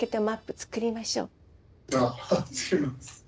作ります。